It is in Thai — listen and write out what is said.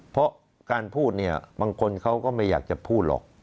เพราะการพูดเนี่ยบางคนเขาก็ไม่อยากจะพูดหรอก